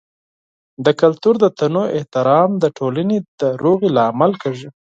د کلتور د تنوع احترام د ټولنې د سولې لامل کیږي.